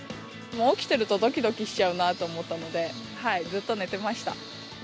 起きてるとどきどきしちゃうなと思ったので、ずっと寝てました。